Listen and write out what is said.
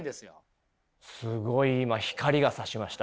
すごい今光がさしました。